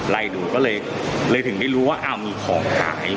ไล่ดูก็เลยถึงไม่รู้ว่ามีของหาย